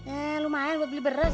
eh lumayan buat beli beras